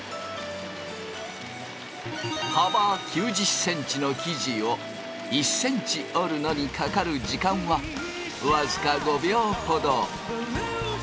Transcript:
幅９０ｃｍの生地を１ｃｍ織るのにかかる時間は僅か５秒ほど。